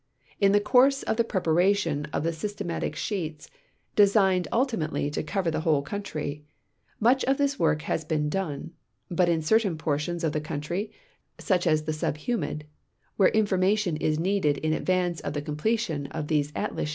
In the course of the prei)aration of the systematic sheets, de.signed ultimately to coA'er the AA'hole country, much of this AA'ork has been done, but in certain ]Aortions of the country, such as the subhumid, Avhere information is needed in advance of the completion of these atlas